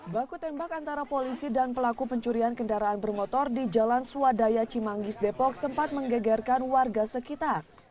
baku tembak antara polisi dan pelaku pencurian kendaraan bermotor di jalan swadaya cimanggis depok sempat menggegerkan warga sekitar